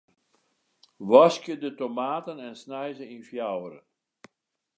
Waskje de tomaten en snij se yn fjouweren.